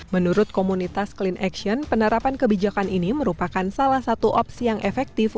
menurut komunitas clean action penerapan kebijakan ini merupakan salah satu opsi yang efektif